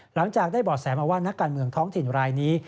หลังจากได้บ่อแสมาว่านักการเมืองท้องถิ่นรายนี้